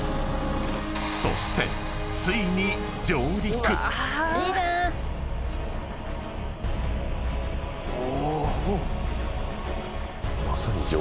［そしてついに］お。